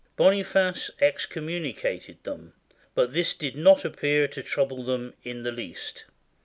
Boniface excommunicated them; but this did not appear to trouble them in the least.